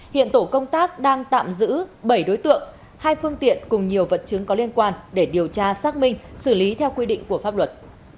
hiện tổ công tác đang tạm giữ bảy đối tượng hai phương tiện cùng nhiều vật chứng có liên quan để điều tra xác minh xử lý theo quy định của pháp luật